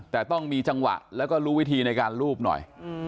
แต่ต้องมีจังหวะแล้วก็รู้วิธีในการลูบหน่อย